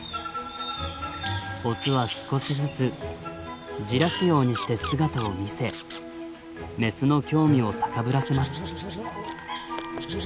オスは少しずつじらすようにして姿を見せメスの興味を高ぶらせます。